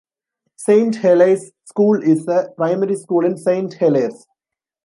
Saint Heliers School is a primary school in Saint Heliers.